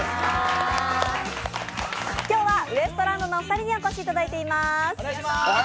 今日はウエストランドのお二人にお越しいただいています。